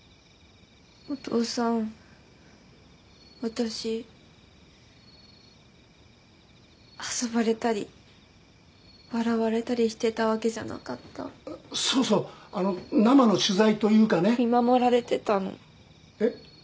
お父さん私遊ばれたり笑われたりしてたわけじゃなかったそうそう生の取材というかね見守られてたのえっ？